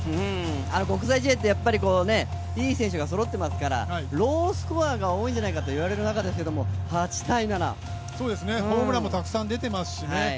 国際試合って、いい選手がそろっていますからロースコアが多いんじゃないかと言われる中ですけれども、ホームランもたくさん出てますしね。